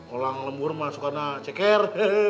olang lembur mah suka ceker